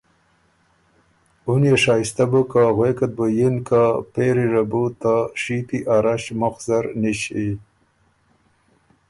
اُن يې شائستۀ بُک که غوېکت بُو یِن که پېري ره بُو ته شيپی ا رݭ مُخ زر نِݭی۔